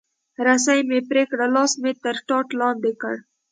رسۍ مې پرې کړه، لاس مې تر ټاټ لاندې کړ.